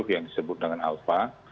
yang disebut dengan alpha